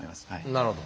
なるほど。